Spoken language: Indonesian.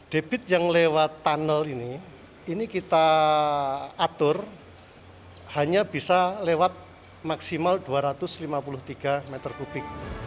debit yang lewat tunnel ini ini kita atur hanya bisa lewat maksimal dua ratus lima puluh tiga meter kubik